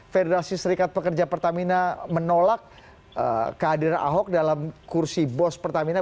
federasi serikat pekerja pertamina menolak kehadiran ahok dalam kursi bos pertamina